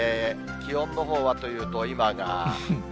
気温のほうはというと、今が。